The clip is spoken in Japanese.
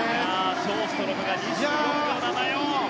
ショーストロムが２４秒７４。